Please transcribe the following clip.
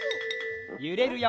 ゆれるよ。